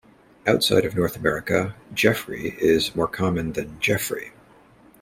Outside of North America, "Geoffrey" is more common than "Jeffrey".